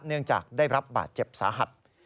เนื่องจากได้รับบาดเจ็บสาหัส